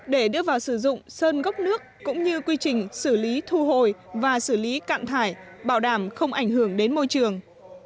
để đưa vào sử dụng sơn gốc nước cũng như quy trình xử lý thu hồi và xử lý cạn thải bảo đảm không ảnh hưởng đến môi trường